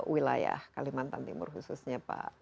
wilayah kalimantan timur khususnya pak